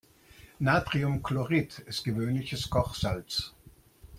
Natriumchlorid ist gewöhnliches Kochsalz.